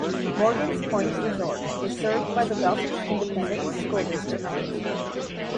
Morgan's Point Resort is served by the Belton Independent School District.